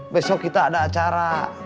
besok kita ada acara